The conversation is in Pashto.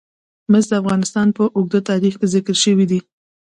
مس د افغانستان په اوږده تاریخ کې ذکر شوی دی.